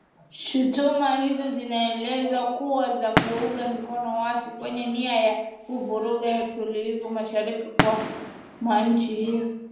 Shutuma hizo zinaelezewa kuwa za kuunga mkono waasi , wenye nia ya kuvuruga utulivu mashariki mwa nchi hiyo